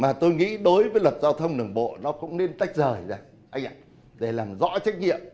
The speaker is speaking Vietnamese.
và tôi nghĩ đối với luật giao thông đường bộ nó cũng nên tách rời ra anh ạ để làm rõ trách nhiệm